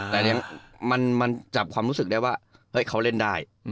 แต่มันจับความรู้สึกได้ว่าเฮ้ยเขาเล่นได้